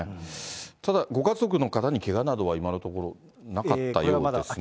ただご家族の方にけがなどは今のところなかったようですね。